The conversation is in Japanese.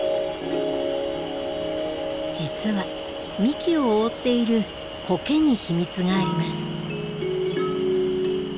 実は幹を覆っているコケに秘密があります。